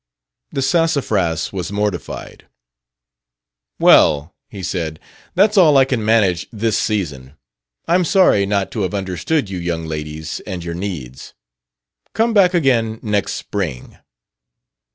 "The Sassafras was mortified. 'Well,' he said, 'that's all I can manage this season. I'm sorry not to have understood you young ladies and your needs. Come back again next spring.'